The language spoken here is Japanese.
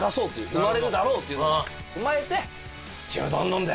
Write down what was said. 生まれるだろうという事も踏まえてちむどんどんで。